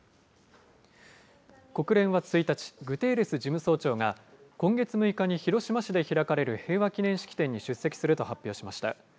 国連は１日、グテーレス事務総長が今月６日に広島市で開かれる平和記念式典に出席すると発表しました。